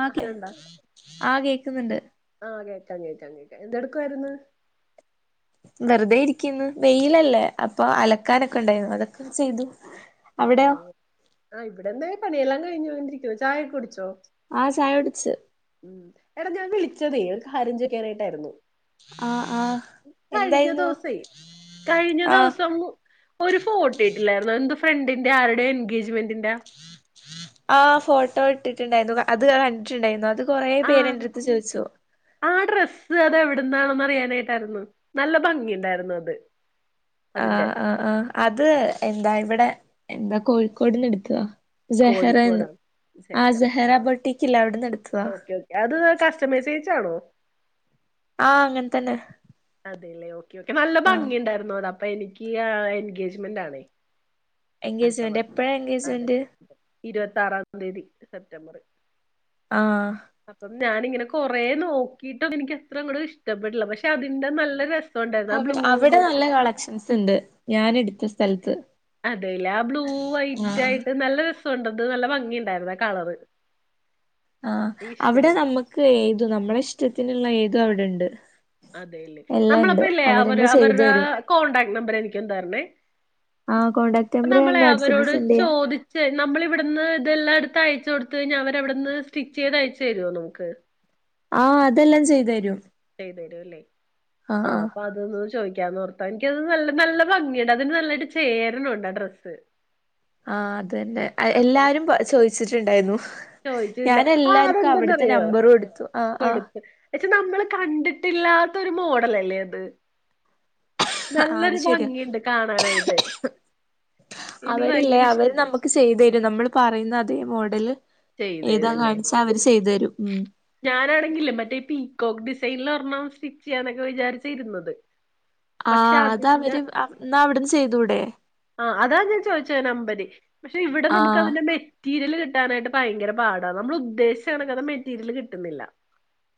ആ കേ ആഹാരണ്ടാ ആ കേക്കുന്നുണ്ട് കഞ്ഞി വെച്ചോ ണ്ടിരിക്കയായിരുന്നു എന്തെടുക്കവായിരുന്നു വെറുതെ ഇരിക്കുന്നു വെയിലല്ലേ അപ്പോ അലക്കാനൊക്കെ ഉണ്ടായിരുന്നു അതൊക്കെ ചെയ്തു അവിടെയോ അതെല്ലേ ആ ഇവിടെന്താ പണിയെല്ലാം കഴിഞ്ഞോണ്ട് ഇരിക്കുന്നു ചായയൊക്കെ കുടിച്ചോ ആ ചായ കുടിച്ച് ഉം എടാ ഞാൻ വിളിച്ചതേ ഒരു കാര്യം ചോയിക്കാനായിട്ടാരുന്നു ആഹ് ആഹ് എന്തായിരുന്നൂ ദിവസേ കഴിഞ്ഞ ദിവസം ഒരു ഫോട്ടേയിട്ടില്ലാരുന്നോ എന്ത്‌ ഫ് ഫ്രണ്ടിന്റെ ആരുടെയോ എൻഗേജ്മെന്റിന്റ ആഹ് ഫോട്ടോ ഇട്ടിട്ടുണ്ടായിരുന്നു ക അത് അത് കൊറേ പേര് ആഹ് എന്റെടുത്ത് ചോദിച്ചു ആ ഡ്രസ്സ് അതെവിട് ന്നാനൊന്നു അറിയാനായിട്ടാരുന്നു നല്ല ഭംഗി ഉണ്ടാരുന്നു അത് അതിന്റെ ആഹ് ആഹ് ആഹ് അത് എന്താ ഇവിടെ എന്താ കോഴിക്കോട്ന്ന് എടുത്തതാ സാഹ്റെ ന്ന് കോഴിക്കോടാണ് എടുത്തതാ ഓക്കെ ഒക്കെ അത് കസ്റ്റമൈസ് എച്ച് ച്ചാണോ ആഹ് അങ്ങൻ തന്നെ അതേല്ലേ ഓക്കെ ഓക്കെ നല്ല ആ ഭംഗി ഉണ്ടാരുന്നു അത അപ്പ എനിക്ക് ആ എൻഗേജ്മെന്റാണേ അടുത്ത എൻഗേജ്മെന്റ് മാസം എപ്പഴാ അതെ എൻഗേജ്മെന്റ് അതെ ഇരുപത്താറാം തീയതി സെപ്റ്റംബറ് ആഹ് ഞാനിങ്ങനെ കൊറേ നോക്കീട്ടൊന്നും എനിക്ക് അത്ര അങ്ങൊട്‌ ഇഷ്ടപ്പെട്ല്ല പക്ഷെ അതിന്റെ നല്ല രസ് അവി അവിടെ നല്ല കളക്ഷൻസ് ഇണ്ട് ഞാൻ എടുത്ത സ്ഥൽത്ത് അതേല്ല ആ ബ്ലൂ വൈറ്റ് ആയിട്ട് നല്ല രസ് സോണ്ടത് നല്ല ഭംഗി ഉണ്ടാരുന്നാ കളറ് ആ അവിടെ ഇഷ്ടപ്പെട്ട് നമുക്ക് ഏതു നമ്മളെ ഇഷ്ടത്തിനുള്ള ഏതും അവിടെ ഉണ്ട് അതേല്ലേ എല്ലാം ഉണ്ട് നമ്മളപ്പ ഇല്ലേ അവര് അവരെന്നെ ചെയ്തു അവരുടാ തരും കോൺടാക്ട് നമ്പർ എനിക്കൊന്ന് തരണേ ആഹ് കോൺടാക്ട് നമ്പർ ഞാൻ നമ്മളെ വാട്സആപ്പിൽ അവരോട് സെൻഡ് ചെയ്യാ ചോദിച്ചേ നമ്മളിവിടുന്ന് ഇതെല്ലാം എടു ത്ത് അയച്ചു കൊടുത്ത് കഴിഞ്ഞാ അവർ അവിടെന്ന് സ്റ്റിച്ച് ചെയ്ത് അയച്ചു തരോ നമുക്ക് ആ അതെല്ലാം ചെയ്ത് തരും ചെയ്തു തരുല്ലേ ആഹ് അപ്പ അതൊന്ന് ചോയി ക്കാന്നോർത്താ എനിക്കത് നല്ല നല്ല ഭംഗിയുണ്ട് അതിന് നല്ലായിട്ട് ചേരണൊണ്ട് ആ ഡ്രസ്സ് ആ അതന്നേ അയ് അപ്പൊ എല്ലാരും പ ചോയിച്ചിട്ടുണ്ടായിരുന്നു ചോദിച്ചില്ല ഞൻ ആഹ് എല്ലാർക്കും അവിടുത്തെ അതെന്തെന്നറിയോ നമ്പറും കൊടുത്തു കൊടുത്ത് പക്ഷെ നമ്മള് കണ്ടിട്ടില്ലാത്ത ഒരു മോഡലല്ലേ അത് ആഹ് അത് നല്ലൊരു ശരിയാ ഭംഗിയുണ്ട് കാണാനായിട്ട് എനിക്ക് അവരില്ലേ ഭയങ്കര അവര് ഇഷ്ടപ്പെട്ടു നമുക്ക് ചെയ്തു തരും നമ്മള് പറയുന്ന അതേ മോഡല് ചെയ്തരും ഏതാ അല്ലേ കാണിച്ചാ അവര് ചെയ്തു തരും ഉം ഞാനാണെങ്കില്ലേ മറ്റേ ഈ പീക്കോക്ക് ഡിസ് സെയില്ല് ഒരെണ്ണം സ്റ്റിച്ച് ചെയ്യാനൊക്കെ വിചാരിച്ച് ഇരുന്നത് ആഹ് അതവര് ന്നാ അവിടന്ന് ചെയ്തൂടേ ആ അതാ ഞാൻ ചോദയിച്ചേ നമ്പര് പക്ഷെ ഇവിടെ നമ്മുക്ക് ആഹ് അതിന്റെ മെ റ്റീരിയല്. കിട്ടാനായിട്ട് ഭയങ്കര പാടാ നമ്മൾ ഉദ്ദേശിച്ച കണക്കത മെറ്റീരിയല് കിട്ടുന്നില്ല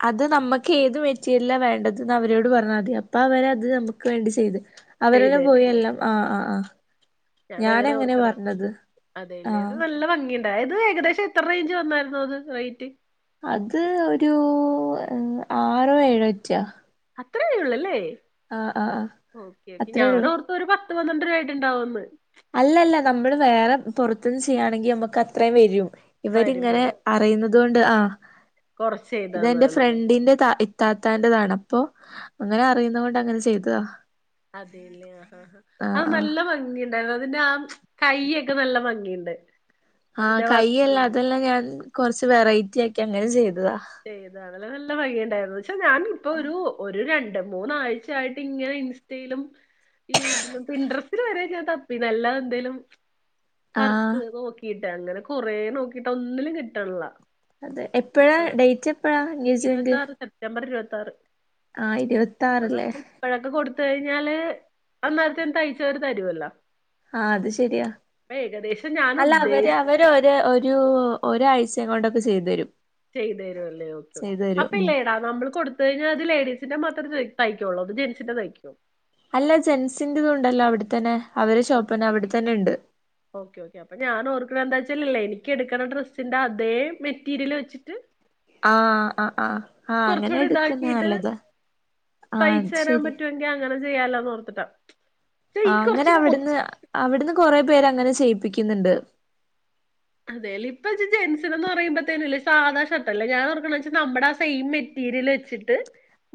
അത് നമ്മുക്ക് ഏത് മെറ്റീരിയലാ വേണ്ടച്ച്ഞ്ഞാ അവരോട് പറഞ്ഞാതി അപ്പൊ അവര് അത് നമുക്ക് വേണ്ടി ചെയ്ത് അവരനെ പോയി എല്ലാം ആഹ് ആഹ് ആഹ് ഞാൻ അങ്ങനെ ഞാനങ്ങനെ ഓർക്കണം പറഞ്ഞത് അതേല്ലേ ആഹ് നല്ല ഭംഗിയണ്ട് അത് ഏകദേശം എത്ര റേഞ്ച് വന്നാൽ യിരുന്നു റൈറ്റ് അത് ഒരൂ ആറോ ഏഴോ എറ്റിയ അത്രേ ഒള്ളല്ലേ ആഹ് ആഹ് ഓക്കേ ഓക്കേ അത്രേ ഞാൻ ഉള്ളൂ ഓർത്ത് ഒരു പ പത്ത് പന്ത്രണ്ട് രൂപ ആയിട്ടുണ്ടാവുന്ന് അല്ലല്ല നമ്മള് വേറെ പൊറത്തുന്ന് ചെയ്യാണെങ്കി നമ്മുക്ക് അത്രയും വെരും വരും ഇവരിങ്ങനെ വരും അറിയുന്നത് കൊണ്ട് ആഹ് കൊറച്ച് ഇതെന്റെ ചെയ്തതാണല്ലേ ഫ്രണ്ടിന്റെ താ ത്താത്താന്റെതാണ് അപ്പൊ അങ്ങനെ അറിയുന്ന കൊണ്ട് അങ്ങനെ ചെയ്തതാ അതെയല്ലേ ആ ആഹ് ആഹ് നല്ല ഭംഗി ഉണ്ടായിരുന്ന അതിന്റെ ആ കൈ അക്കെ നല്ല ഭംഗിയുണ്ട് ആഹ് അതിന്റെ വർക്ക് കൈയ്യെല്ലാ അതെല്ലാം ഞാൻ കൊറച്ച് വെറൈറ്റി ആക്കി അങ്ങനെ ചെയ്തതാ നല്ല നല്ല ഭംഗിയുണ്ടാരുന്നു ച്ച ഞാൻ ഇപ്പൊ ഒരു ഒരു രൺ മൂന്നാഴ്ചയായിട്ട് ഇങ്ങനെ ഇൻസ്റ്റയിലും. ഈ ഇൻട്രസ്റ്റില് വരെ ഞ്ഞാ തപ്പി നല്ലത്എന്തേലും. ആഹ് വർക്ക് നോക്കിട്ട് അങ്ങനെ കൊറെ നോക്കിട്ട് ഒന്നിലും കിട്ടണില്ല. അതെ എപ്പഴാ ഡേറ്റ് എപ്പഴാ എൻഗേജ്മെന്റ്. ഇരുപത്താറ് സെപ്റ്റംബർ ഇരുപത്താറ് ആഹ് അപ്പൊ ന ഇരുപത്താറില്ലേ ഇപ്പഴൊക്കെ കൊടു. ത്കഴിഞ്ഞാല് അന്നരത്തെ തയ്ച്ചവരു തരുവല്ലോ. ആ അത് ശരിയാ അപ്പൊ ഏകദേശം ഞാൻ അല്ല അവര് ഉദ്ദേശിച്ച് അവര് ഒ ഒരു ഒരാഴ്ച.. ആഴ്ച്ച കൊണ്ട് ഒക്കെ ചെയ്തു തരും. ചെയ്തു തരുും അല്ലേ ഓക്കെ ഓക്കെ ചെയ്തു തരും അപ്പൊ ഉം ഇല്ലേടാ നമ്മൾ കൊടുത്ത് കഴിഞ്ഞാൽ.. ഇത് ലേഡീസിന്റെ മാത്രേ തയ്ക്കുള്ളൂ അതോ ജെൻസിന്റെ തയ്ക്കോ. അല്ല ജെന്സി ന്റെതു ഉണ്ടല്ലോ അവിടെത്തന്നെ. അവരെ ഷോപ്പന്നെ അവിടെത്തന്നെ ഉണ്ട് ഓക്കെ ഓക്കെ അപ്പൊ ഞാന ഓർക്കണ എന്താ. ല്ലേ എനിക്ക് എടുക്കണ ഡ്രസ്സിന്റെ അതേ മെറ്റീരിയൽ വെച്ചിട്ട്. ആഹ ആ ആഹ് ആഹ ആഹ അങ്ങനെ കുറച്ചുകൂടി എടുക്കുന്ന ഇതാക്കിയിട്ട് നല്ലതാ ആഹ തയ്ച്ചു തരാൻ ശരി. പറ്റുമെങ്കിൽ അങ്ങനെ ചെയ്യാലോന്ന് ഓർത്തിട്ടാ. പക്ഷെ ആ ഈ അങ്ങനെ കുറച്ച് അവിടുന്ന് അവിടുന്ന് കൊറെ പേര് അങ്ങനെ ചെയ്യിപ്പിക്കുന്നുണ്ട്. അതെല്ലേ ഇപ്പ ജൻ സിന്എന്ന് പറയ്പോത്തേനും സാധാ ഷർട്ടല്ല ഞാൻർക്ക വെച്ച നമ്മുടെ ആ സെയിം മ.. മേറ്റേരിയൽ വച്ചിട്ട്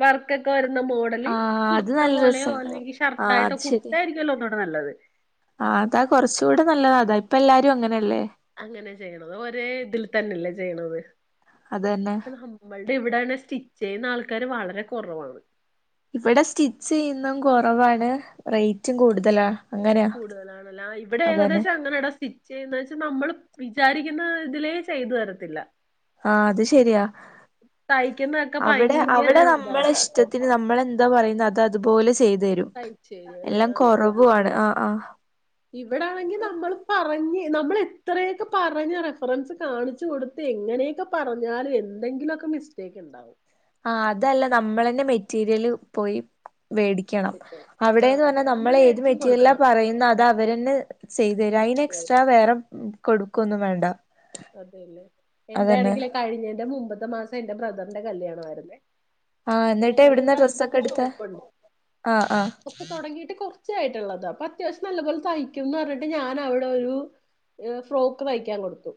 വർക് ഒക്കെ വരു.. മോഡല് ആഹ് അത് കുർത്ത നല്ല പോലെയോ രസണ്ടാവും അല്ലെങ്കിൽ ഷർട്ടാആായിട്ടോ കുർത്ത ആയിരിക്കല്ലോ ഒന്നുകടെ നല്ലത്. ആ് അതാ കുറച്ചൂടെ നല്ലതാ അതാ ഇപ്പ എല്ലാരും അങ്ങനെയല്ലേ. അങ്ങനെ ചെയ്യണത് ഒരേ ഇതിൽ തന്നെയല്ലേ ചെയ്യണത്. അത് തന്നെ നമ്മളുടെ ഇവിടൊണ് സ്റ്റിച്ച് ചെയ്യുന്ന ആൾക്കാര് വളരെ കുറവാണ്. ഇവിടെ സ്റ്റിച്ച്ന്നും കുറവാണ് റേറ്റും കൂടുതലാ. അങ്ങനെയാ കൂടുതലാണല്ല ഇവിടെ അതന്നെ ഏകദേശം അങ്ങനെ ഇട സ്റ്റിച്ച് ചെയ്യുന്ന വെച്ചൽ നമ്മള്.. വിചാരിക്കുന്ന ഇതിലേ ചെയ്തു തരത്തില്ല. ആഹ അത് ശെരിയാ. തയ്ക്കുന്നതൊക്കെ അവിടെ ഭയങ്കര അവിടെ നമ്മള് ഇതായിട്ടാ ഇഷ്ടത്തിന് നമ്മളെന്താ പറയുന്നത് അത.. അതുപോലെ ചെയ്തു തരും തയ്ച്ചു തരും എല്ലാം കുറവാണ് ആ ആ. ഇവിടെ ആണെങ്കി നമ്മൾ പറഞ്ഞ. നമ്മൾ എത്രയൊക്കെ പറഞ്ഞ റഫറൻസ് കാണിച്ച് കൊടുത്ത് എങ്ങനെയൊക്കെ പറഞ്ഞാലും എന്തെങ്കിലുമൊക്കെ.. മിസ്റ്റയ്ക്ക് ഉണ്ടാവും. ആ അതല്ല നമ്മള തന്നെ മെറ്റീരിയല് പോയി. മേടിക്കണം അവിടെന്ന് ആഹ് അതെ പറഞ്ഞാൽ നമ്മൾ നമ്മള് ഏത് മേടിച്ചും മെറ്റീരിയലാ കൊടുക്കണം. പറയുന്ന അത് അവരന്നെ ചെയ്തു തരാ.. അയിന് എക്സ്ട്രാ വേറെ കൊടുക്കുംന്നും വേണ്ട.. അതെയല്ലേ അതന്നെ എന്റൊണെങ്കില് കഴിഞ്ഞന്റെ മുമ്പത്തെ മാസം എറെ ബ്രദറിന്റെ കല്യാണമായിരുന്നേ. അപ്പൊ ആഎന്നിട്ട് ഞങ്ങളുടെ എവിടന്ന് ഇവിടെ ഡ്രസ്സ ഒക്കെ അടുത്തൊരു എടുത്താ ഷോപ്പുണ്ട്. ആആ തച്ചയായിട്ടുള്ളത് അപ്പൊ അത്യാവശ്യം നല്ലപ പോലെ തയ്ക്കുംന്ന് പറഞ്ഞിട്ട് ഞാൻ അവിടെ ഒരു.. ഫ്രോക്ക് തയ്ക്കാൻ കൊടുത്തു.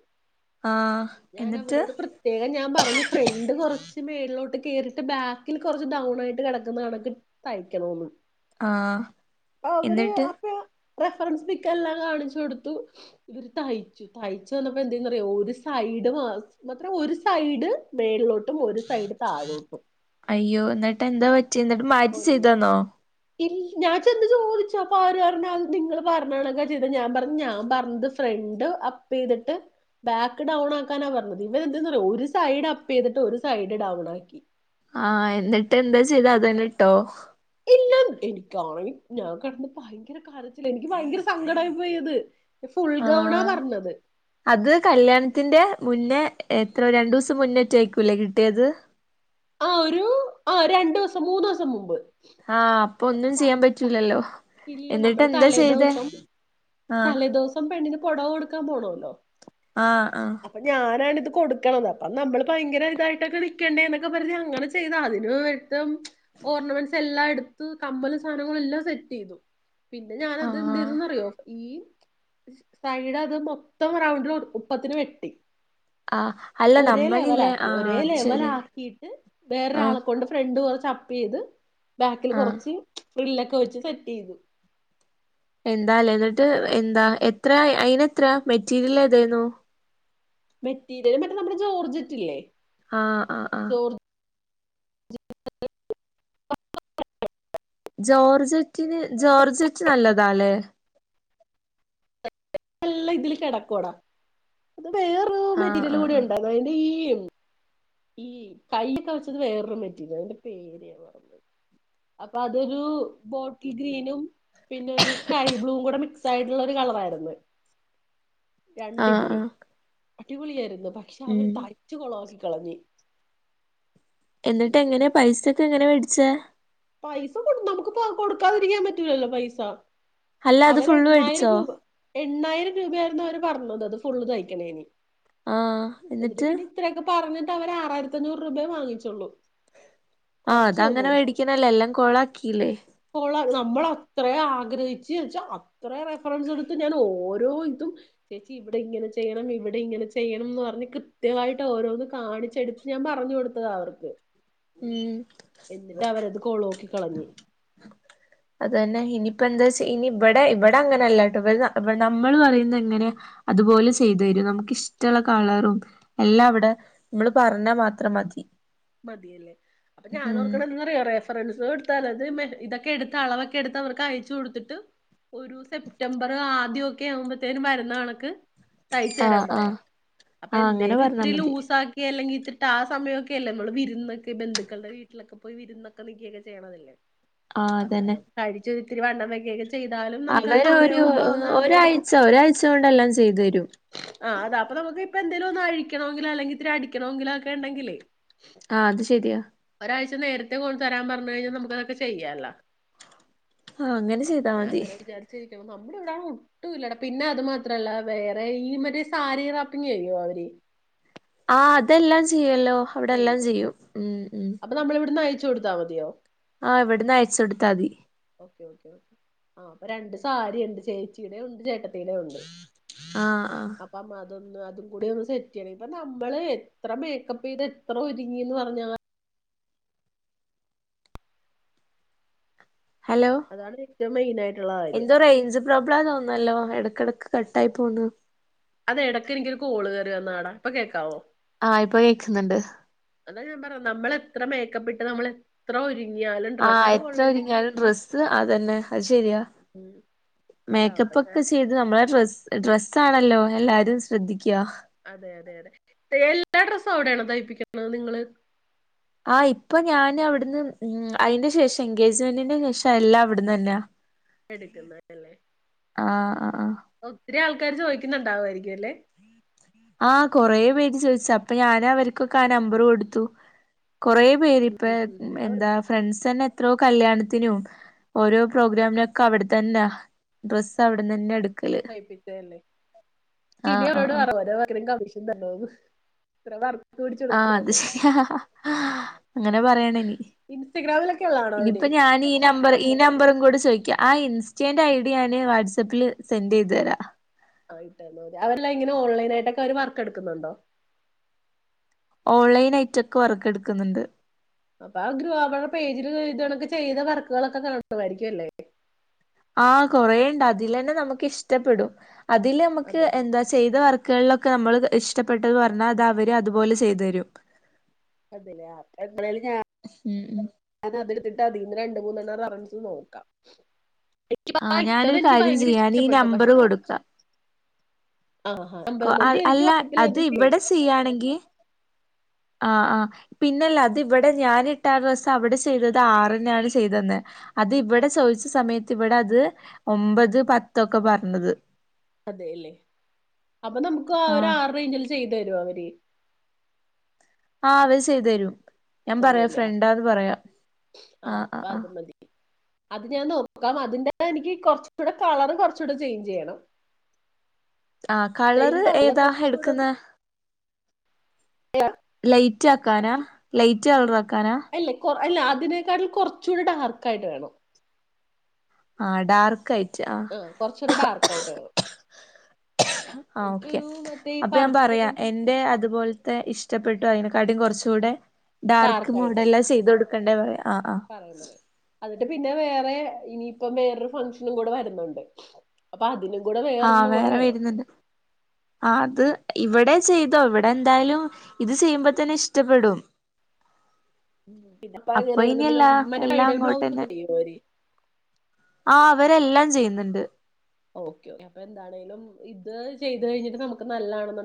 ആഹ് ഞാൻ എന്നിട്ട് അവരോട് പ്രത്യേകം ഞാൻ പറഞ്ഞു ഫ്രണ്ട് കൊറച്ച്. മേുകളിലോട്ട് കേയറിട്ട് ബാക്കിൽ കുറച്ച് ഡൗൺ ആയിട്ട് കിടക്കുന്നതാണക്ക് തയ്ക്കണന്ന്. ആഹ് അവര് എന്നിട്ട് അപ്പൊ. റഫറൻസ് ബുക്ക് എല്ലാം കാണിച്ചു കൊടുത്തു ഇവര് തയ്ച്ചു തയ്ച്ച. വന്നപ്പോ എന്താന്നറിയാവോ ഒരു സൈഡ് മാ മാത്ര ഒരു സൈഡ് മേളിലോട്ട്. അയ്യോ എന്നിട്ട് എന്താ പറ്റിഎന്നിട്ട് മാറ്റി ചെയ്തന്നോ. ഇല്ല ഞാൻ ചെന്ന് ചോദിച്ച അപ്പൊ അവര് പറഞ്ഞത് നിങ്ങള്ൾ പറഞ്ഞണക്കെ ചെയ്ത ഞാൻ പറഞ്ഞ ഞാൻ പറഞ്ഞത് ശ്ര.. രണ്ട് അപ്പ ചെയ്തിട്ട്. ബാക്ക് ഡൗൺ ആക്കാനാ പറഞ്ഞത് ഇവരെ എന്തന്ന് പറ ഒരു സൈഡ് അപ്പ് ചെയ്തിട്ട് ഒരു സൈഡ് ഡൗൺ ആക്കി. ആഎന്നിട്ട് എന്താ ചെയ്താ അതന്നെട്ടോ. ല്ല എനിക്കാണ ഞാൻ കടന്ന ഭയങ്കര കരച്ചിൽ എനിക്ക് ഭയങ്കര സങ്കടമായി പോയത്. ഫുൾ ആ ഗൗണാ പറഞ്ഞത് അത് കല്യാണത്തിന്റെ മുന്നേ എത്ര രണ്ടു ദിവസം മുന്നേ ചോയിക്കൂല്ലേ കിട്ടിയത്. ആ ഒരു ആ രണ്ടു ദിവസം മൂന്ന് ദിവസം മുമ്പ്. ആ അപ്പൊ ഒന്നും ചെയ്യാൻ പറ്റൂലല്ലോ. എന്നിട്ട് എന്താ ചെയ്തെ തലേദിവസം പെണ്ണിന് പൊടവ കൊടുക്കാൻ പോണല്ലോ. ആഹ് ആഹ് അപ്പൊ ഞാനാണിത് കൊടുക്ക ക്കണത് അപ്പം നമ്മൾ ഭയങ്കര ഇതായിട്ടൊക്കെ നിക്കണ്ടേ എന്നൊക്കെ പറഞ്ഞ് അങ്ങനെ ചെയ്ത അതിന് ത്തം ഓർണമെന്റസ് എല്ലാം എടുത്തു കമ്മല് സാധനങ്ങളെല്ലാം സെറ്റ് ചെയ്തു. പിന്നെ ഞാനത് ന്ത് ആഹ് ചെയതന്ന് അറിയോ ഈ സൈഡ് അത് മൊത്തം റൗണ്ടിൽ ഉപ്പത്തിന് വെട്ടി ആഹ് അല്ല ഒരേ ലെവല നമ്മളില്ലേ ആക്കി ആഹ് ഒരേ അത് ലെവല ആ ശരിയാണ് ആഹ് വേറൊരാളെ കൊണ്ട് ഫ്രണ്ട് കുറച്ച് അപ്പ്ചെ യ്ത് ബാക്കിൽ ആഹ് കൊറച്ച് ഫ്രിലോ ക്കെ വെച്ച് സെറ്റ് ചെയ്തു. എന്താല്ലേ ന്നിട്ട് എന്താ എത്ര അയിന് എത്ര മെറ്റീരിയൽ ഏതായിരുന്നു. മെറ്റീരിയലും മറ്റേ നമ്മുടെ ജോർജറ്റ്ല്ലേ. ആ ആ ആ ജോർജറ്റിന് ജോർജറ്റ് നല്ലതാല്ലേ? നല്ല ഇതില് കെടക്കോടാ. അത് വേറൊരു ആഹ് മെറ്റീരിയൽ ആഹ് കൂടി ആഹ് ഉണ്ടല്ലേ അതിന്റെ ഈ ഈ കയൊക്കെ വെച്ചത് വേറൊരു മെറ്റിരല് തിന്റെ പേര് മറ അപ്പൊ അതൊരു ബോട്ടിൽ ഗ്രീനും. പിന്നെ ഒരു സകൈ ബ്ലൂ കൂടെ മിക്സ് ആയിട്ടുള്ള ഒരു കളറായിരുന്നു. ആഹ് രണ്ടിതില് ആഹ് അടിപൊളിയായിരുന്നു. പക്ഷെ അവര് ഉം തയ്ച്ച് കൊളമാക്കി കളഞ്ഞു എന്നിട്ട് എങ്ങനെയ? പൈസൊക്കെ എങ്ങനെ വേടിച്ചേ. പൈസ കൊടു നമുക്ക്പ്പൊ കൊടുക്കാതിരിക്കാൻ പറ്റൂലല്ലോ പൈസ അല്ല അത് അവര് ഫുള്ള് എണ്ണായിരം മേടിച്ചോ രൂപ എണ്ണായിരം രൂപയായിരുന്നു. അവര് പറഞ്ഞത് അത് ഫുള്ള് തയ്ക്കണേന്. എന്നിട്ട് പിന്നെ ഇത്രയൊക്കെ പറഞ്ഞി അവര് ആറായിരത്തി അഞ്ഞൂറ് രൂപയേ വാങ്ങിച്ചുള്ളൂ. ആ അത് കൊറച്ച് തന്നു അങ്ങനെ കൊറച്ച്. മേടിക്കണല്ലേ എല്ലാം കോളാക്കില്ലേ. നമ്മള അത്ര ആഗ്രഹിച്ച് ച്ചാ അത്ര റഫറൻസ് എടുത്ത് ഞാൻ ഓരോ ഇതും ഇവിടെ ഇങ്ങനെ ചെയ്യണം. ഇവിടെ ഇങ്ങനെ ചെയ്യണം. ന്ന് പറഞ്ഞ് കൃത്യമായിട്ട് ഓരോന്ന് കാണിച്ചെടുത്ത് ഞാൻ പറഞ്ഞു കൊടു ത് അവർക്ക് ഉം നോക്കിക്കളഞ്ഞി ഇനിപ്പോ എന്താ വെച്ച ഇനി ഇവിടെ ഇവിടെ അങ്ങനെല്ലാട്ടോ ഇവിടെ നമ്മൾ പറയുന്നത് എങ്ങനെയോ അതുപോലെ ചെയ് ത് തരും നമുക്കിഷ്ടമുള്ള കളറും എല്ലാം അവിടെ നമ്മള് പറഞ്ഞാൽ മാത്രം മതി മതിയല്ലേ അപ്പൊ ഞാൻ ഉം ഓർക്കണത് ന്ത് ന്നറിയ റഫറൻസ് എടുത്താൽ ത് മേ ഇതൊക്കെ എടുത്ത് അളവൊക്കെ എടുത്ത് അവർക്ക് അയച്ച് കൊടുത്തിട്ട് ഒരു സെപ്റ്റംബർ ആദ്യ ക്കെ ആവുമ്പത്തേന് വരുന്നണക്ക് തയ്ച്ചു തരാൻ ആഹ് പറയാം ആഹ് അപ്പൊ ആഹ് അങ്ങനെ എന്തേലും പറഞ്ഞാ ഇത്തിരി മതി ലൂസാക്കി അല്ലെങ്കിൽ ട്ട് ആ സമയമൊക്കെ അല്ലേ നമ്മള് വിരുന്നൊക്കെ ബന്ധുക്കളുടെ വീട്ടിലൊക്കെ പോയി വിരുന്നൊക്കെ നിൽക്കിയൊക്കെ ചെയ്യണതല്ലേ ആഹ് അതന്നെ അപ്പൊന്നാലും കഴിച്ചു ത്തിരി വണ്ണം വെക്കക്ക ചെയ് അവര് ഒരു ഒരാഴ്ച്ച ഒരാഴ്ച്ച കൊണ്ടെല്ലാം ചെയ്തു തരും ആ ത പ്പൊ നമുക്കിപ്പൊ എന്തേലും ഒന്ന് അഴിക്കണൊങ്കിലോ അല്ലെങ്കിൽ ഇത്തിരി അടിക്കണൊങ്കിലോ ഒക്കെ ഉണ്ടെങ്കിലേ ആ അത് ശെരിയാ ഒരാഴ്ച നേരത്തെ കൊണ്ട് തരാൻ പറഞ്ഞ്കഴിഞ്ഞാ നമുക്ക് അതൊക്കെ ചെയ്യാലോ ആ അങ്ങനെ ചെയ്താ മതി നമ്മളവിടെ ഒട്ടും ഇല്ലട പിന്നെ അത് മാത്രല്ല വേ ടേ ഈ മറ്റേ സാരി റാപ്പിങ്ങ് ചെയോ അവര് ആ അതെല്ലാം ചെയ്യല്ലോ അവിടെ എല്ലാം ചെയ്യോല്ലോ ചെയ്യും ഉം ഉം ചു കൊടുത്താൽ മതിയോ ആ ഇവിടുന്ന് അയച്ചൊടുത്താ മതി ആ അപ്പൊ രണ്ട് സാരിയണ്ട് ചേച്ചിയുടെ ഉണ്ട് ചേട്ട ണ്ട് ആഹ് ആഹ് അ പ്പമ അതൊന്ന് അതുംകൂടി ഒന്ന് സെറ്റയ്യണം ഇപ്പ മ്മള് എത്ര മേക്കപ്പയ്ത് എത്ര ഒരുങ്ങിന്ന് പറഞ്ഞാ ഹലോ അതാണ് ഏറ്റം മെയിനായി എന്തോ റേഞ്ച് പ്രോബ്ലം ന്നോന്നണല്ലോ ഇടക്കിടക്ക് കട്ടായി പോന്ന് അതെ ഇടക്ക് എനിക്കൊരു കോള് കേറിയന്നാടാ ഇപ്പൊ കേക്കാവോ ആഹ് ഇപ്പോ കേക്കുന്നുണ്ട് ഞാൻ പറ നമ്മളെത്ര മേക്കപ്പെട്ട് നമ്മളെത്ര ഒരു ആ എത്ര ഒര്ങ്ങ്യലും ഡ്രസ്സ് അതന്നെ അത് ശരിയാ ഉം അതാ അപ്പൊ മേക്കപ്പ് ഞാൻ ഒക്കെ ചെയ്ത് നമ്മളെ ഡ്രസ് ഡ്രസ്സണല്ലോ എല്ലാരും ശ്രദ്ധിക്ക അതെ അതെ അതെ എല്ലാ ഡ്രസ്സുവിടെണോ തയ്പ്പിക്കുന്നത് നിങ്ങള് ആഹ് ഇപ്പൊ ഞാൻ അവിടുന്ന് ഉം അയ്ന്റെ ശേഷം എൻഗേജ്മെന്റിന്റെ ശേഷം എല്ലാം അവിടുന്നന്നെയാ എടുക്കുന്നല്ലേ ആ ആ ഒത്തിരി ആൾക്കാര് ചോയ്ക്കുന്നുണ്ടാവായിരിക്കുല്ലെ ആ കൊറേ പേര് ചോദിച്ച അപ്പൊ ഞാനവർക്കൊക്കെ ആ നമ്പർ കൊടുത്തു കൊറെ പേര്പ്പ ഉം ഉം ഉം. അവർ എന്താ ഫ്രണ്ട്സന്നെ എത്രോ കല്യാണത്തിനും ഓരോ പ്രോഗ്രാമിനൊക്കെ അവിടെതന്നെ ഡ്രസ്സ് അവിടെന്നന്നെ എടുക് തയ്പ്പിച്ചല്ലേ ഇനി ആഹ് ആഹ് അവരോട് ആഹ് പറ ഓരോ [unintelligible] [unintelligible] ഇത്ര വർ ആ അത് ശരിയാ അങ്ങനെ പറയണനി ഇൻസ്റ്റഗ്രാമിലൊക്കെ ഉള്ളതാണോ അവര് ഇനിയിപ്പ ഞാനീ ഈ നമ്പർ ഈ നമ്പറും കൂടെ ചോയ് ആ ഇൻസ്റ്റന്റെ ഐ ഡി ഞാന് വാട്സആപ്പിൽ സെൻഡ് ചെയ്തരാ അവരെല്ലാങ്ങനെ ഓൺലൈനായിട്ടൊക്കൊര് വർക്കെടുക്കുന്നുണ്ടോ ഓൺലൈനയിറ്റൊക്കെ വർക്കെടുക്കുന്നുണ്ട് അപ്പൊ ആ ഗ്രൂഹ പ പേജിൽ തണൊക്കെ ചെയ്ത വർക്കുകളൊക്കെ കലർന്ന തയിരിക്കുംല്ലേ ആ കൊറേണ്ട് അതിലേന്നെ നമുക്ക് ഇഷ്ടപ്പെടും അതിലമുക്ക് അതെ എന്താ ചെയ്ത വർക്കുകളിലൊ ക്കെമ്മൾ ഇഷ്ടപ്പെട്ടത് പറഞ്ഞാ അതവര് അതുപോലെ ചെയ്തരും. അതലേ [unintelligible] ഉം ഉം ത്തിട്ട് അതിൽന്ന് രണ്ടിമൂന്നെണ്ണ അന്സ് നോക്കാ ആഹ് [unintelligible] ഇട്ടത് ഞാനൊരു എനിക്ക് കാര്യം ഭയങ്കര ചെയ്യാ ഞാനീ ഇഷ്ടപ്പെട്ടു പക്ഷെ നമ്പറ് കൊറച്ച് കൊ അ അല്ല വാട്സപ്പിൽ അത് അതില്ലേ ഇവിടെ ചെയാണെകി ആഹ് ആ പിന്നെല്ല അതിവടെ ഞാനിട്ടാ ആ ഡ്രസ്സ്‌ അവിടെ ചെയ്തത് ആറിനാന്ന് ചെയ്തെന്നെ അത് ഇവ്ടെ ചോദിച്ച സമയത്ത് ഇവിടെ അത് ഒമ്പത് പത്തൊക്കെ പറഞ്ഞത് അതെല്ലേ അപ്പൊ നമുക്ക് ആ ഒരു ആഹ് ആറേഞ്ചില് ചെയ്ത ത രോൽ ആ അവര് ചെയ്തരും ഞാൻ പറയാ തരുല്ലേ ഫ്രണ്ടാന്ന് പറയാ ആ ആ അപ്പൊ ആ അത് മതി അത് ഞാൻ നോക്കാം അതിന്റെ എനിക്ക് കുറച്ചുകൂടെ കളറ് കുറചൂടെ ചേഞ്ച് ചെയ്യണം ആ സെയിം കളറ് കളറില് ഏതാ കുറച്ചുകൂടെ എട്ക്ക്ന്നെ ലൈറ്റ് ആക്കാനാ ലൈറ്റ് കളറക്കാനാ അല്ല അല്ല അതിനേക്കാട്ടിലും കുറച്ചുടി ഡാർക്കായിട്ട് വേണം ആ ഡാർക്കയി ആ കൊറച്ചൊരു ഡാർക്കയിട്ട് വേണം ആ ഓക്കെ എനിക്കൊരു മറ്റേ ഈ അപ്പൊ ഞാൻ പറയാ പർപ്പിളും എന്റെ അതുപോലത്തെ ഇഷ് ഇഷ്ടപ്പെട്ടു അയ്നെക്കാട്ടിം കുറച്ചുടെ ഡാർക്ക് മോഡല്ല ചെയ്തൊടുക്കണ്ടേ പറയാം പറയാം പറ പിന്നെ വേറെ ഇനിയിപ്പം വേറൊരു ഫങ്ങ്ഷനും കൂടെ വരുന്നുണ്ട് അപ്പൊ അതിനും കൂടെ ആ വേറൊരെണ്ണം കൂടെ വേറെ വേണം വര്ന്നുണ്ട് ആ അത് ഇവിടെ ചെയ്തോ ഇവടെ ന്തായാലും ഇത് ചെയ്യുമ്പോതന്നെ ഷ്ടപ്പെടും. ഇതിപ്പപ്പോ എങ്ങനെയണെങ്കിൽ മറ്റേ എല്ലാം ബൈഡൽ ബ്ലൗസ് ഒക്കെ അങ്ങോട്ടന്നെ ചെയോര് ആ അവരെല്ലാം ചെയ്യ്ന്നുണ്ട് ഓക്കെ ഓെ അപ്പൊ എന്താണേലും ഇത് ചെയ്ത് കഴിഞ്ഞിട്ട് നമുക്ക് നല്ലാണ്